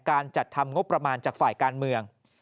การจัดทำงบประมาณจากฝ่ายการเมือง